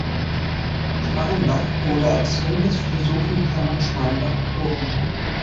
Schmalenbach wurde als Sohn des Philosophen Herman Schmalenbach geboren.